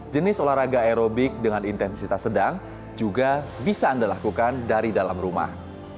jenis olahraga aerobik dengan intensitas sedang juga bisa anda lakukan dari dalam rumah